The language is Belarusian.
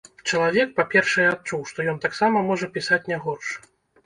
Чалавек, па-першае, адчуў, што ён таксама можа пісаць не горш.